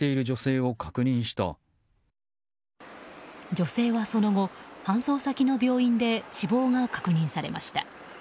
女性はその後、搬送先の病院で死亡が確認されました。